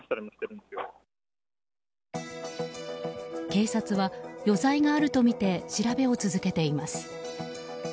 警察は余罪があるとみて調べを続けています。